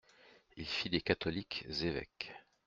Il fit des catholiques évêques.